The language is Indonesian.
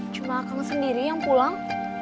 cuma kamu sendiri yang pulang